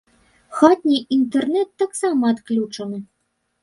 Хатні інтэрнэт таксама адключаны.